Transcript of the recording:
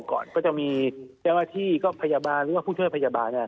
ก่อนก็จะมีเจ้าหน้าที่ก็พยาบาลหรือว่าผู้ช่วยพยาบาล